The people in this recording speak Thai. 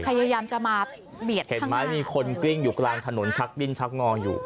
พยายามจะมาเบียดเห็นไหมมีคนกลิ้งอยู่กลางถนนชักดิ้นชักงออยู่